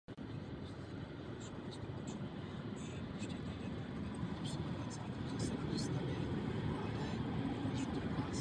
I to je demokracie.